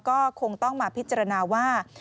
ก็คงต้องมาพิจารณาว่า